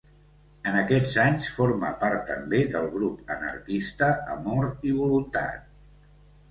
En aquests anys forma part també del grup anarquista Amor i Voluntat.